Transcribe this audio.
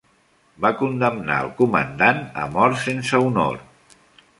Va condemnar el comandant a mort sense honor.